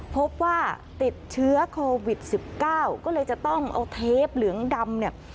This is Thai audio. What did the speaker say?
พบว่าติดเชื้อโควิด๑๙ก็เลยจะต้องเอาเทปเหลืองดำเนี่ย